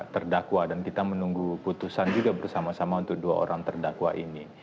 jadi kita sudah bisa terdakwa dan kita menunggu putusan juga bersama sama untuk dua orang terdakwa ini